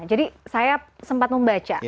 jadi saya sempat membaca